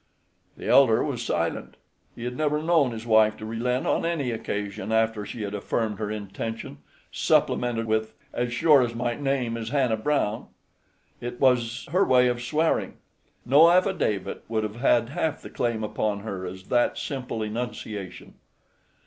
The elder was silent. He had never known his wife to relent on any occasion after she had affirmed her intention, supplemented with "as sure as my name is Hannah Brown." It was her way of swearing. No affidavit would have had half the claim upon her as that simple enunciation.